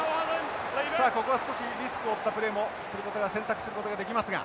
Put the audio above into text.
さあここは少しリスクを負ったプレーも選択することができますが。